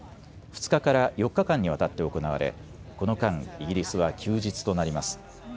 ２日から４日間にわたって行われこの間、イギリスは休日となります。